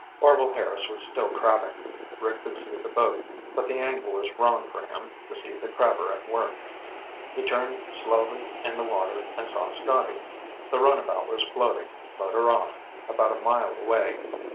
Orvil Harris was still crabbing. Rick could see the boat, but the angle was wrong for him to see the crabber at work. He turned slowly in the water, and saw Scotty. The runabout was floating, motor off, about a mile away.